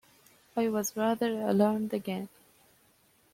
I was rather alarmed again.